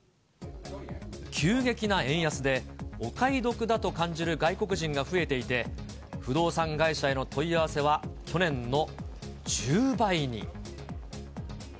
急激な円安で、お買い得だと感じる外国人が増えていて、不動産会社への問い合わせは去年の１０倍に。